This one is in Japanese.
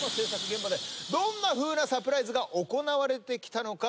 現場でどんなふうなサプライズが行われてきたのか？